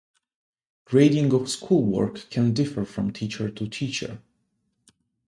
Grading of schoolwork can differ from teacher to teacher.